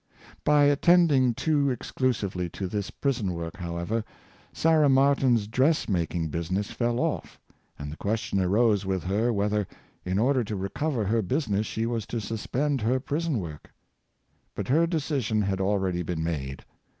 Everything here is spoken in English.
By attending too exclusively to this prison work, 470 Story of Sarah Martin. however, Sarah Martin's dress making business fell off; and the question arose with her whether, in order to recover her business, she was to suspend her prison work. But her decision had already been made.